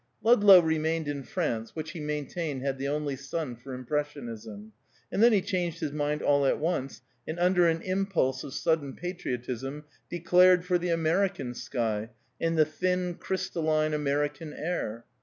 Ludlow remained in France, which he maintained had the only sun for impressionism; and then he changed his mind all at once, and under an impulse of sudden patriotism, declared for the American sky, and the thin, crystalline, American air.